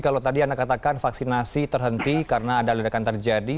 kalau tadi anda katakan vaksinasi terhenti karena ada ledakan terjadi